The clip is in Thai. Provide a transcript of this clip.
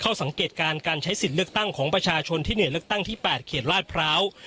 สังเกตการณ์การใช้สิทธิ์เลือกตั้งของประชาชนที่หน่วยเลือกตั้งที่๘เขตลาดพร้าว